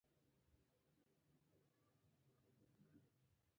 سندره د خوښیو جشن دی